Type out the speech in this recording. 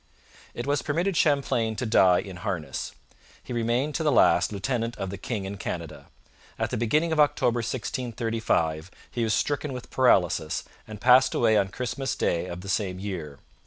It was permitted Champlain to die in harness. He remained to the last lieutenant of the king in Canada. At the beginning of October 1635 he was stricken with paralysis, and passed away on Christmas Day of the same year.